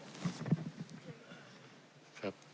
ราชาศีดริษฐ์พุทธศิลป์ครับ